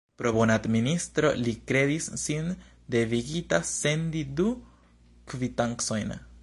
Pro bona administro, li kredis sin devigita sendi du kvitancojn!